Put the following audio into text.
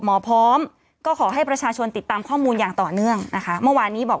หมอพร้อมก็ขอให้ประชาชนติดตามข้อมูลอย่างต่อเนื่องนะคะเมื่อวานนี้บอก